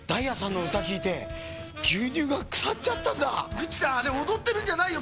グッチさんあれおどってるんじゃないよ